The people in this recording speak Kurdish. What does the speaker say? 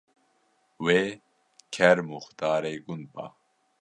Wê ker muxtarê gund ba